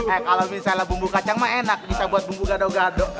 eh kalo misalnya bumbu kacang mah enak bisa buat bumbu gado gado